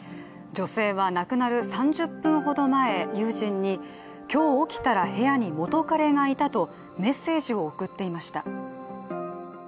女性は亡くなる３０分ほど前、友人に今日起きたら部屋に元彼がいたとメッセージを送っていました。